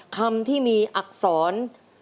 คำที่มีอักษร